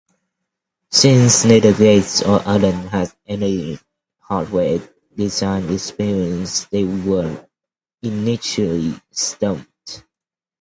Since neither Gates nor Allen had any hardware design experience they were initially stumped.